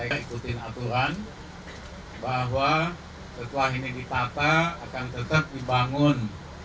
izin aturan bahwa setelah ini ditata akan tetap dibangun